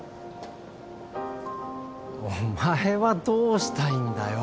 お前はどうしたいんだよ